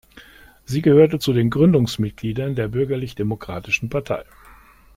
Sie gehörte zu den Gründungsmitgliedern der Bürgerlich-Demokratischen Partei.